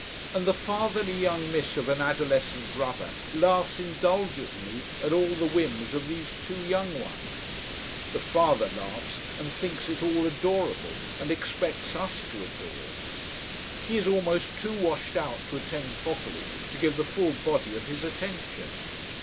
And the fatherly young "miss" of an adolescent brother laughs indulgently at all the whims of these two young ones: the father laughs and thinks it all adorable and expects us to adore. He is almost too washed out to attend properly, to give the full body of his attention.